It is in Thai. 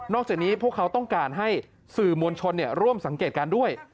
จากนี้พวกเขาต้องการให้สื่อมวลชนร่วมสังเกตการณ์ด้วย